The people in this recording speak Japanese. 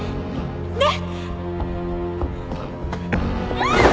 ねっ！